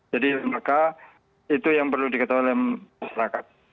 jadi maka itu yang perlu diketahui oleh masyarakat